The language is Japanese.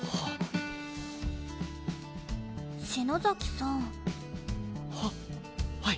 篠崎さん。ははい。